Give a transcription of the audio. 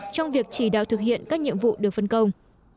trong việc chỉ đạo thực hiện các nhiệm vụ được phân công